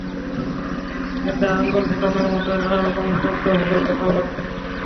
এতে আঙুল ফোটানোর মতোই নানা রকমের শব্দ হবে, ব্যথাও লাগবে কিছুটা।